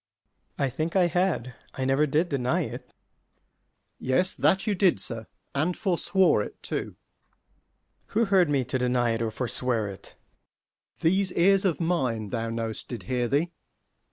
S._ I think I had; I never did deny it. Sec. Mer. Yes, that you did, sir, and forswore it too. Ant. S. Who heard me to deny it or forswear it? 25 Sec. Mer. These ears of mine, thou know'st, did hear thee.